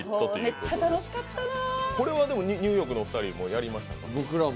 これはニューヨークのお二人もやりましたか。